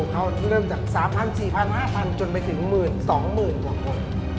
เขาเริ่มจาก๓๐๐๐๔๐๐๐๕๐๐๐จนไปถึงหมื่น๒หมื่นกว่าคน